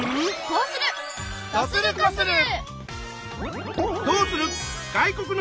こうする！